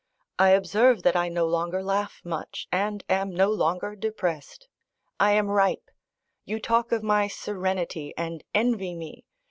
I observe that I no longer laugh much, and am no longer depressed. I am ripe. You talk of my serenity, and envy me.